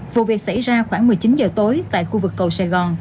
vụ việc xảy ra khoảng một mươi chín giờ tối tại khu vực cầu sài gòn